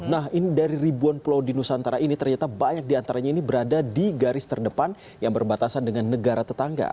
nah ini dari ribuan pulau di nusantara ini ternyata banyak diantaranya ini berada di garis terdepan yang berbatasan dengan negara tetangga